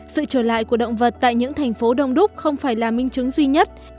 sự trở lại của động vật tại những thành phố đông đúc không phải là minh chứng duy nhất